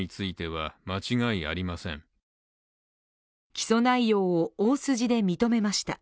起訴内容を大筋で認めました。